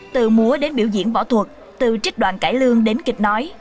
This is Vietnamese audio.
từ múa đến biểu diễn võ thuật từ trích đoàn cải lương đến kịch nói